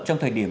trong thời điểm